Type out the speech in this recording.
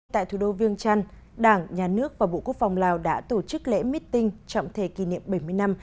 tại thủ đô vương trăn đảng nhà nước và bộ quốc phòng lào đã tổ chức lễ mít tinh trọng thể kỷ niệm bảy mươi năm